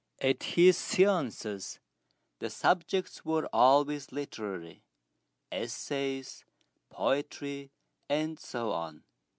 At his séances the subjects were always literary essays, poetry, and so on.